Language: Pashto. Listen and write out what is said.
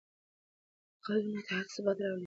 د قانون اطاعت ثبات راولي